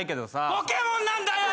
俺はポケモンなんだよ。